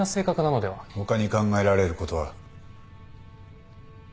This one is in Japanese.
他に考えられることは？